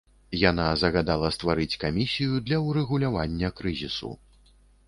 Яна загадала стварыць камісію для ўрэгулявання крызісу.